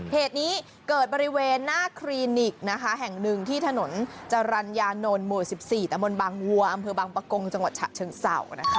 เหตุนี้เกิดบริเวณหน้าคลินิกนะคะแห่งหนึ่งที่ถนนจรรยานนท์หมู่๑๔ตะมนต์บางวัวอำเภอบางประกงจังหวัดฉะเชิงเศร้านะคะ